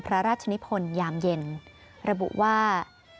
พระราชนิพลยามเย็นระบุว่า